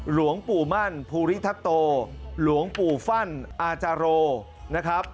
หลวงปู่มั่นภูริทัตโตหลวงปู่ฟั่นอาจาโรนะครับ